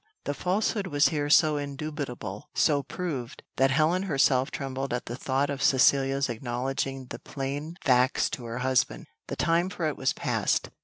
The falsehood was here so indubitable, so proved, that Helen herself trembled at the thought of Cecilia's acknowledging the plain facts to her husband. The time for it was past.